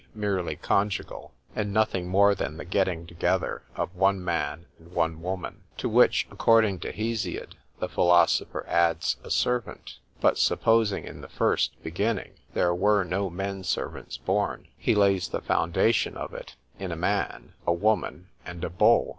_ merely conjugal; and nothing more than the getting together of one man and one woman;—to which, (according to Hesiod) the philosopher adds a servant:—but supposing in the first beginning there were no men servants born——he lays the foundation of it, in a man,—a woman—and a bull.